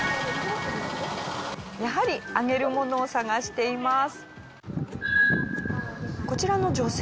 やはりあげるものを探しています。